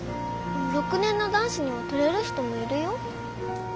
６年の男子には取れる人もいるよ。